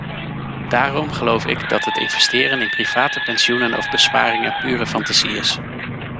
Daarom geloof ik dat het investeren in private pensioenen of besparingen pure fantasie is.